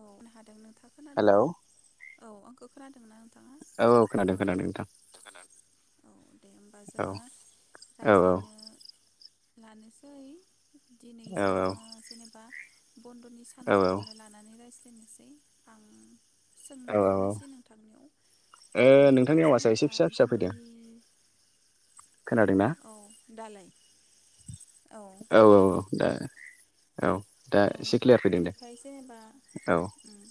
औ हादों नोंथाङ खोनादों हेलौ ना औ आंखो खोनादों औ खोनादों खोनादों नोंथां औ दे होमबा औ जोङो औ औ रायज्लायनो लानोसै दिनै औ जोङो जेनेबा बन्द'नि औ सानफोरखौनो लानो रायज्लायनोसै आं औ ओ सोंग्रोनोसै नों थांनायाव नोंथाङा नोंथांनि आवाजआ एसे जेनेबा फिसा फिसा फैदों बन्द'नि खोनादोंना औ दालाय औ औ दे औ दा औ एसे क्लियार फैदों इनिफ्राय जेनेबा औ औ उम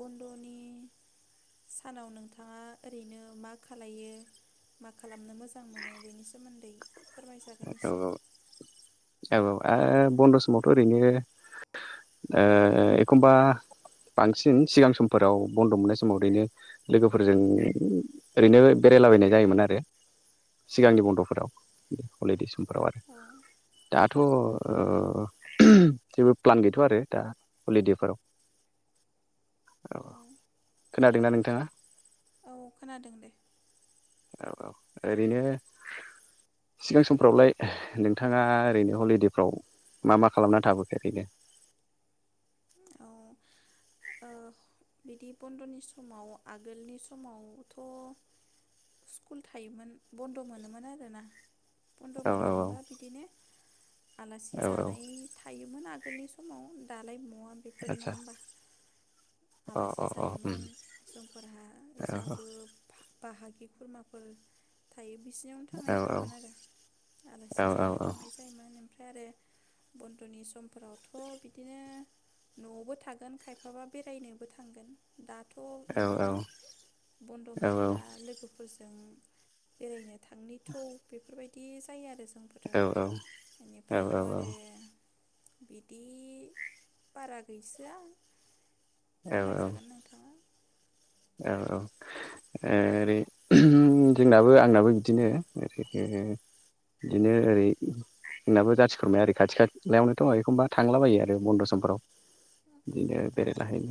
बन्द'नि सानाव नोंथाङा ओरैनो मा खालायो मा खालामनो मोजां मोनो बेनि सोमोन्दै फोरमायजागोन एसे ओ बन्द' समावथ' ओरैनो ओ एखमबा बांसिन सिगां समफोराव बन्द' मोननाय समाव ओरैनो लोगोफोरजों ओरैनो बेरायलाबायनाय जायोमोन आरो सिगांनि बन्द'फोराव [unintelligible] [unintelligible] औ थ' ओ जेबो प्लान गैथ'आ आरो दा हलिदेफोराव औ खोनादोंना नोंथाङा औ खोनादों दे औ औ ओरैनो सिगां समफ्रावलाय नोंथाङा ओरैनो हलिदेफ्राव मा मा खालामना थाबोखो ओरैनो औ ओ बिदि बन्द'नि समाव आगोलनि समावथ' स्कुल थायोमोन बन्द' मोनोमोन आरोना बन्द औ औ मोनो मोनबा बिदिनो आलासि औ औ जानाय थायोमोन आ गोलनि समाव दालाय मुवा फोरनो आदसा होमबा अ अ आलासि अ उम जायोमोन जोंफोरहा औ जाबो फा बाहागि खुरमाफोर थायो बिसिनियावनो थांनाय औ जायोमोन आरो औ आलासि जानो औ औ थांनाय जायोमोन उम फ्राय आरो बन्दनि समफोरावथ' बिदिनो न'आवबो थागोन खायफाबा बेरायनोबो थांगोन दाथ' बिदिनो बन्द' मोनब्ला लोगो फोरजों बेरायनो थांनिथौ बेफोरबाय बिदि जायो आरो जोंफोरो इनिफ्रायथ' आरो बिदि बारा गैसोआ औ फोरमायजागोन नोंथाङा औ औ ओरै जोंनाबो आंनाबो बिदिनो ओरै ओ बिदिनो ओरै जोंनाबो जाथि खुरमाया ओरै खाथि खालायावनोथ' एखमबा थांलाबायो आरो बन्द' समफोराव बिदिनो औ बेरलाहैनो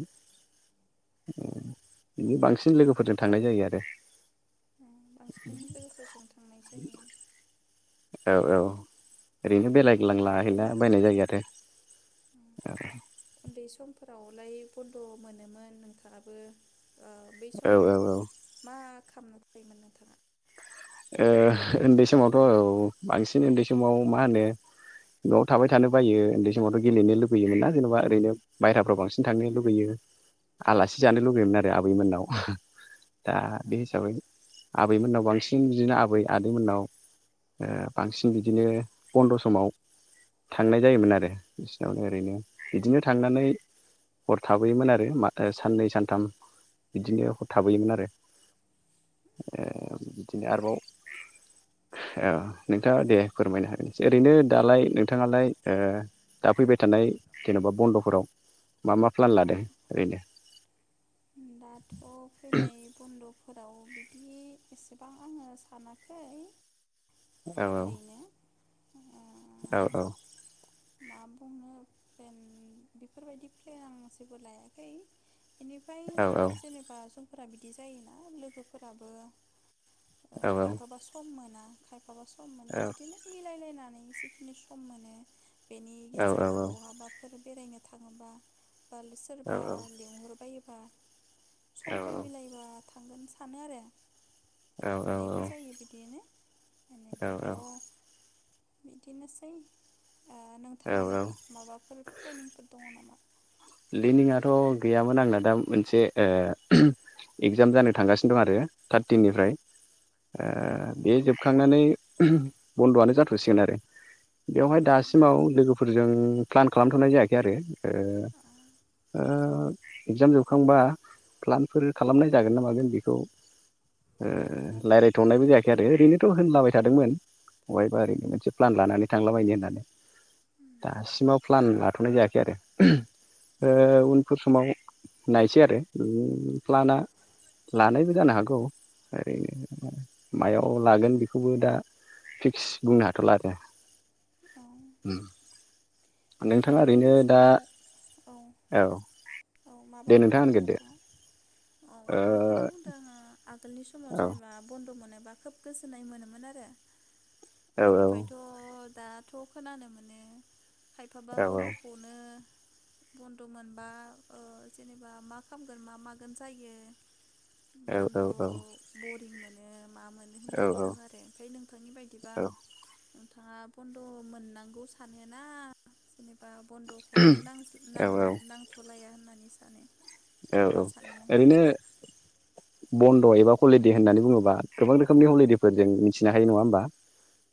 औ बिनि बांसिन लोगोफोरजों थांनाय जायो आरो बांसिन लोगोफोरजों थांनाय जायो औ औ ओरैनो [unintelligible] ओमफ्राय लाहैला बायनाय जायो आरो आवलाय बन्द' मोनोमोन नोंथाङाबो ओ बै औ समाव औ ओ मा खालामनो मोन नोंथाङा ओ उन्दै समावथ' औ बांसिन उन्दै समाव मा होनो न'आव थाबाय थानो बायो उन्दै समावथ' गेलेनो लुगैयोमोन ना जेनेबा ओरैनो बायहाफ्राव बांसिन थांनो लुगैयो आलासि जानो लुगैयोमोन औ आरो आबै मोननाव दा बे हिसाबै आबैमोननाव बांसिन बांसिन बिदिनो आबै आदैमोननाव बांसिन बिदिनो बन्द' समाव थांनाय जायोमोन आरो बिसिनावनो ओरैनो इदिनो थांनानै हर थाबोयोमोन आरो साननै सानथाम बिदिनो हर थाबोयोमोन आरो ओ बिदिनो औ आरोबाव ओ नोंथाङा दे फोरमायनो हागोनसै ओरैनो औ दालाय नोंथाङालाय ओ दा फैबाय थानाय जेन'बा बन्द'फोराव मा मा प्लान औ लादों ओरैनो दाथ' फैनाय बन्द' फोराव बिदि एसेबां आङो सानाखै औ ओरैनो अ औ औ मा बुंनो प्लेन बेफोरबायदि प्लेन आं जेबो लायाखै बेनिफ्राय औ औ जेनेबा फोर बिदि जायोना लोगोफोराबो औ खायफाबा सम मोना माखौबा सम औ मोननाय औ बिदिनो मिलायलायनानै जिखिनि सम माने बेनि गेजेराव औ बहाबाफोर बेरायनो थाङोबा सोरबा लेंहर बायोबा समफोर मिलायबा थांगोन सानो आरो थांनायबो जायो बिदियनो बेनिफ्रायथ' औ बिदिनासै औ नोंथाङालाय औ माबाफोर प्लेनिंफोर दङ नामा? प्लेनिंआथ' गैयामोन आंना दा मोनसे इगजाम जानो थांगासिनो दं आरो थार्टिननिफ्राय औ ओ बे जोबखांनानै बन्द'आनो जाथ'सिगोन आरो बेवहाय औ दासिमाव लोगोफोरजों प्लान खालामथ'नाय जायाखै आरो। इगजाम जोबखांबा प्लानफोर खालामनाय जागोन ना मागोन बेखौ ओ रायज्लायथ'नायबो जायाखै आरो ओरैनोथ' होनलाबाय थादोंमोन बबहायबा ओरैनो मोनसे प्लान लानानै थांलाबायनो होननानै दासिमाव प्लान लाथ'नाय जायाखै आरो। ओ उनफोर समाव नायसै आरो प्लानआ लानायबो जानो हागौ ओरैनो मायाव लागोन बेखौबो दा फिक्स बुंनो हाथ'ला आरो। औ नोंथाङा आगोलनि ओरैनो दा समाव औ औ औ माबा दे बुंदोंमोन होनग्रोदो नोंथाङा औ बेखौनो ओ बुंदों आङो आगोलनि समाव औ जेनेबा बन्द' मोनोबा खोब गोजोननाय मोनोमोन आरो औ बेनिफ्रायथ' दाथ' खोनानो मोनो। खायफाबा औ बन्द'खौनो बन्द' मोनबा जेनेबा मा खालामगोन मा मागोन जायो। औ औ बन्द' बरिंमोन मा मोनो होननानै बुङो औ आरो ओमफ्राय नोंथांनि बायदिबा नोंथाङा बन्द' मोननांगौ सानोना। जेनेबा बन्द'खौ औ औ औ नांथ'लाया होनना होननानै सानो औ मा औ सानो नोंथाङा ओरैनो बन्द' एबा हलिदे होननानै बुङोबा गोबां रोखोमनि हलिदेफोर जों मिथिनो हायो नङा होमबा?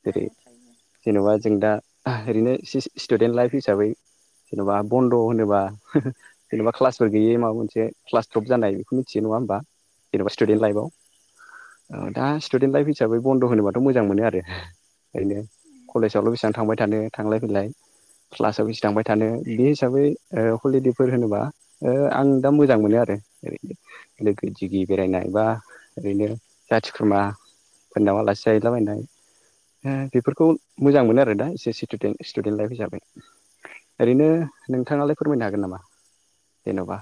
जेरै औ थायो जेन'बा जों दा ओरैनो स्टुदेन्ट लाइफ हिसाबै जेन'बा बन्द' होनोबा जेन'बा क्लासफोर गैयै माबा मोनसे क्लास द्रब जानाय बेखौ मिथियो नङा होमबा जेनबा स्टुदेन औ लाइफआव दा स्टुदेन लाइफ हिसाबै बन्द' होनोबाथ' मोजां मोनो आरो ओरैनो कलेजावल' बेसेबां थांबाय थानो थांलाय फैलाय क्लासाव बेसे थांबाय थानो बे हिसाबै हलिदे फोर होनोबा ओ आं दा मोजां मोनो आरो ओरैनो लोगो दिगि बेरायनाय बा ओरैनो जाथि खुरुमाफोरनाव आलासि जाहैलाबायनाय बेफोरखौ मोजां मोनो आरो दा एसे स्टुदेन लाइफ हिसाबै ओरैनो नोंथाङालाय फोरमायनो हागोन नामा जेन'बा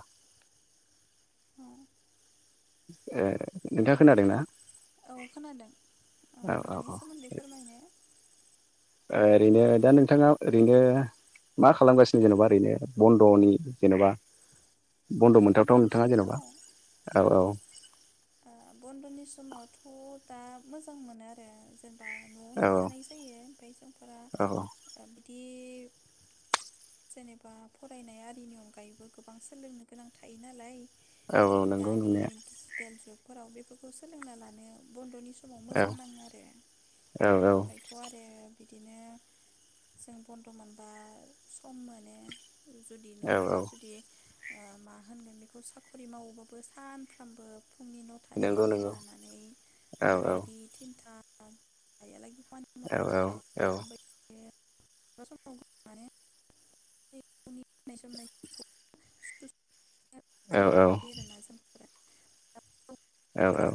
औ ओ नोंथाङा खोनादोंना औ खोनादों औ औ मानि औ सोमोन्दै फोरमायनाय ओरैनो दा नोंथाङा ओरैनो मा खालामगासिनो जेनेबा ओरैनो बन्द'नि जेन'बा औ बन्द' मोनथावथाव बन्द'नि नोंथाङा समाव जेन'बा औ ओ बन्द'नि समावथ' दा मोजां मोनो आरो जेनेबा न'आवनो औ थानाय जायो ओमफ्राय जोंफोरा औ बिदि बे जेनेबा फरायनाय आरिनि अनगायैबो गोबां सोलोंनो गोनां थायो नालाय ओ औ नंगौ दानि नंनाया डिजिटेल जुग फोराव बेफोरखौ सोलोंना लानाया बनद'नि समाव औ मोजां नाङो आरो औ एनिफ्रायथ' आरो बि बिदिनो जों बनद' मोनबा सम मोनो जुदि औ औ नोंथाङा जुदि ओ मा होनगोन बेखौ साखरि मावोबाबो सानफ्रामबो फुंनि नंगौ न'थानिफ्रायनो नंगौ लानानै औ औ बिदि तिनथा आ हायालागि औ औ औ [unintelligible] [unintelligible] [unintelligible] औ औ आरोना जोंफोरा औ औ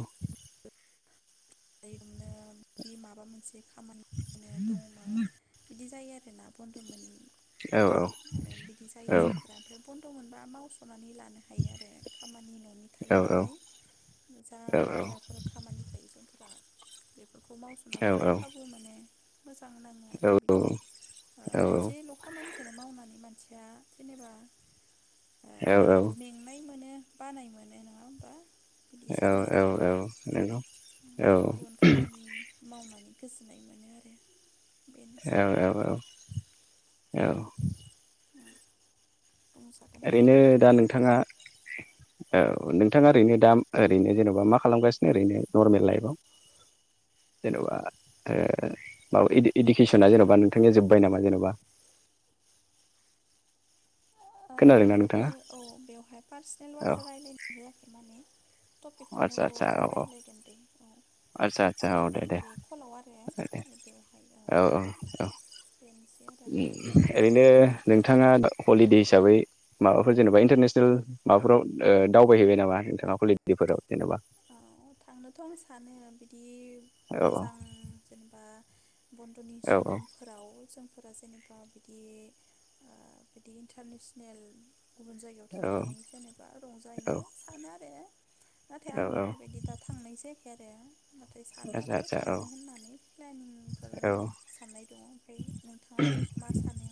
दा बिदिनो कि माबा मोनसे खामा [unintelligible] बिदि जायो आरोना बन्द'मोनि औ औ औ नद' मोनबा मावसन नानै लानो हायो आरो खामानि न'नि औ थायो नंगौ नालाय जा औ बाहेराफोर खामानि थायो जों फ्रा बे फोरखौ मावस'ना लानो खाबु मोनो मोजां नाङो आरो बिदि ओ मोनसे ल'खामानि बेखौनो मावनानै मानसिया जेनेबा ओ मेंनाय मोनो बानाय मोनो नङा होमबा बिदि औ जायो औ आरो औ नंगौ गुबुन खामानि माव नानै गोजोननाय मोनो आरो बेनोसै औ औ औ औ बुंजागोन ओरैनो नोंथाङा दा नोंथाङा औ नोंथाङा ओरैनो दा ओरैनो जेनेबा मा खालामगासिनो ओरैनो नर्मेल लाइफआव जेन'बा ओ माबा इडुकेसना जेनेबा नोंथांनिया जोबबाय नामा जेनेबा औ बेवहाय औ बेवहाय पार्सनेल औ बाथ्रा रायलायनो होआखै माने टपिकखौनोल' जों रायज्लायगोन दे औ आस्सा आस्चसा औ दे दे बे कलाव आरो औ दे औ औ औ बेनोसै आरो ओरैनो नोंथाङा हलिदे हिसाबै माबाफोर जेनेबा इन्टारनेसनेल माबाफोराव ओ दावबायहैबाय नामा नोंथाङा हलिदेफोराव जेनेबा औ थांनोथ' आं सानो बिदि बि औ मोजां जेनेबा बन्द'नि औ समफोराव जों फोर जेनेबा बिदि बिदि इन्टारनेसनेल गुबुन जायगायाव थांनानै जेनेबा औ रंजाहैनो सानो आरो नाथाय औ आं औ बेफोरबायदि दा थांनोसै [unintelligible] नाथाय सानो आदसा आरो आदसा औ थांनो होननानै प्लेनिंफोर औ साननाय दङ ओमफ्राय नोंथाङा मा सानो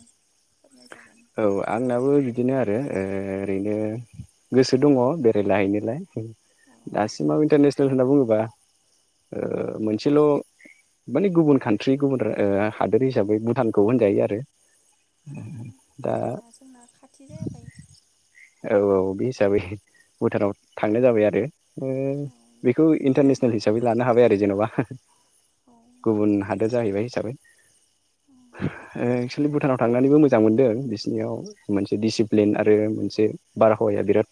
फोरमायजागोन औ आंनाबो मा बिदिनो आरो ओ ओरैनो गोसो दङ बेरायलाहैनोलाय औ दासिमाव इन्टारने सेल होनना बुङोबा ओ मोनसेल' माने गुबुन कान्ट्रि गुबुन हादोर हिसाबै भुटानखौ होनजायो आरो औ दा भुटाना जोंना खाथि जाबाय औ बे हिसाबै भुटानाव थांनाय जाबाय आरो ओ औ बेखौ आंबो इन्टारनेसनेल जाबाय हिसाबै लानो हाबाय आरो जेन'बा औ गुबुन हादोद जाहैबाय आरो औ एकसलि भुटानाव थांनानैबो मोजां मोनदों बिसिनियाव मोनसे डिसिप्लिन आरो मोनसे बारहावाया बिराद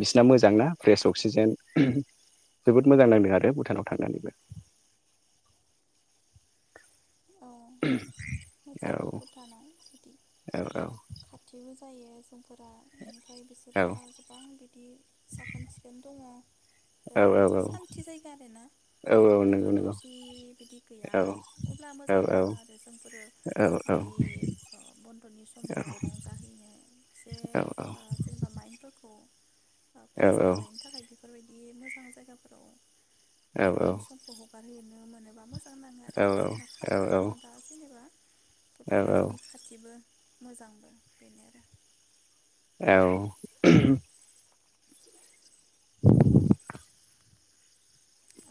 बिसिना मोजांना फ्रेस अक्सिजेन जोबोद मोजां नांदों आरो भुटानाव थांनानैबो औ मोजां औ भुटानाव बिदि औ औ खाथिबो जायो जों का बेनिफ्राय औ बिसोरहा गोबां बिदि साखोन सिखोन दङ औ औ मोनसे औ सान्थि जायगा आरोना औ औ नंगौ दावराव नंगौ औ दावसि बिदि गैया। औ ब्ला मोजां औ औ नाङो आरो जोंफोरो औ औ औ बिदि बन्द'नि समफोराव रंजाहैनो एसे जेनेबा माइंफोरखौ फ्रेस खालनो थाखाय बेफोरबायदि बे मोजां जायगाफोराव बन्द'नि समखौ हगारहोयो। नो मोनोबा मोज औ औ खाबु दङ दा जेने भुटाना जोंनि खाथिबो मोजांबो बेनो आरो औ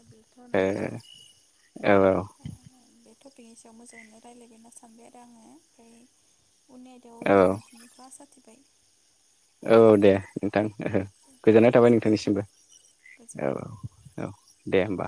अब्लाथ' नोंथां ओ ओ ओ औ बे औ टपिकनि सायाव मोजाङैनो रायलायबाय होनना सानबाय आरो आङो ओमफ्राय उननि आयदायाव औ लोगो मोनफिन गोनखौ आसा थिबाय बाय औ दे नोंथां ओहो गोजोननाय थाबाय नोंथांनिसिमबो औ गोजोननाय थाबाय औ औ दे होमबा